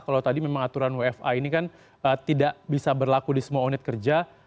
kalau tadi memang aturan wfa ini kan tidak bisa berlaku di semua unit kerja